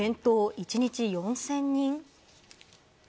一日４０００人？